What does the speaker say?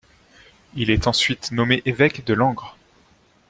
Il est ensuite nommé évêque de Langres.